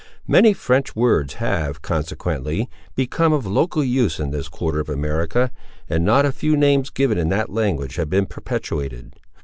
Many French words have, consequently, become of local use in this quarter of America, and not a few names given in that language have been perpetuated.